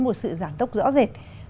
một sự giảm tốc rõ rệt